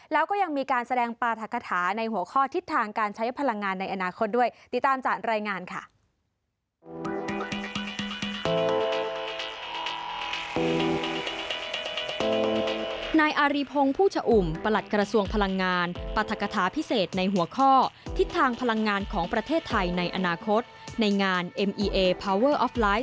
แล้วก็ยังมีการแสดงปราธักฐาในหัวข้อทิศทางการใช้พลังงานในอนาคตด้วย